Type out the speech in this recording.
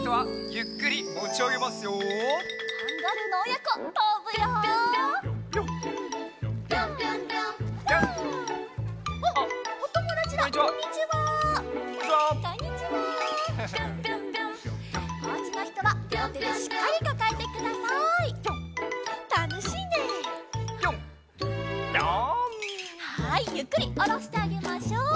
ゆっくりおろしてあげましょう。